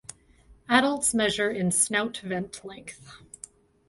Adults measure in snout–vent length.